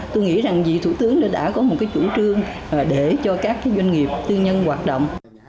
tôi nghĩ rằng thủ tướng đã có một cái chủ trương để cho các doanh nghiệp tư nhân hoạt động